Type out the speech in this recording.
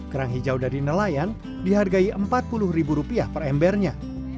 kerang hijau dari nelayan dihargai rp empat puluh ribu rupiah per embernya